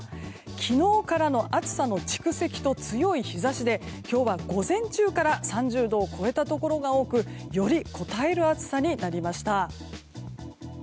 昨日からの暑さの蓄積と強い日差しで今日は午前中から３０度を超えたところが多くよりこたえる暑さになりました。